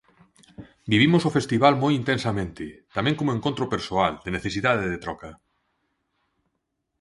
Vivimos o festival moi intensamente, tamén como encontro persoal, de necesidade de troca.